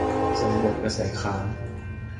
สำรวจกระแสค้าน